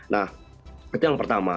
nah itu yang pertama